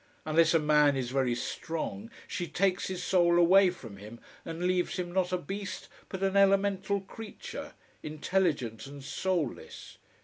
Unless a man is very strong, she takes his soul away from him and leaves him not a beast, but an elemental creature, intelligent and soulless.